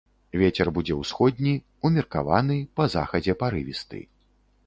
Вецер будзе ўсходні, умеркаваны, па захадзе парывісты.